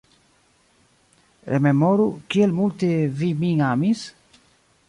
Rememoru, kiel multe vi min amis?